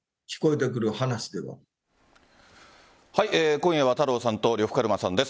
今夜は太郎さんと呂布カルマさんです。